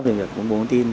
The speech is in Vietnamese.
về việc công bố thông tin